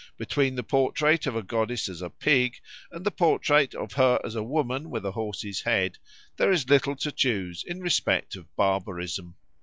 Between the portraits of a goddess as a pig, and the portrait of her as a woman with a horse's head, there is little to choose in respect of barbarism.